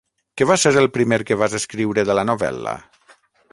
Què va ser el primer que vas escriure de la novel·la?